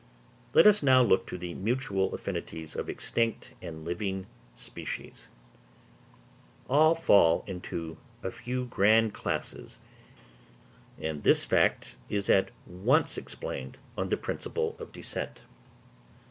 _ Let us now look to the mutual affinities of extinct and living species. All fall into a few grand classes; and this fact is at once explained on the principle of descent.